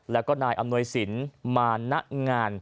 และก็นายอำนวยศิลป์มานักงาน